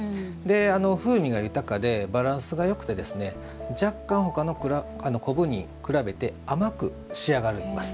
風味が豊かでバランスがよくて若干他の昆布に比べて甘く仕上がります。